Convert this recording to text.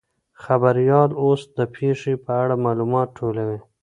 خبریال اوس د پیښې په اړه معلومات ټولوي.